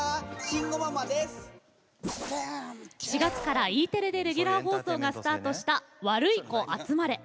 ４月からＥテレでレギュラー放送がスタートした「ワルイコあつまれ」。